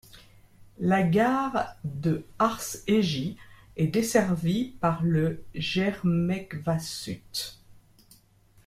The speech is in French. La Gare de Hárs-hegy est desservie par le Gyermekvasút.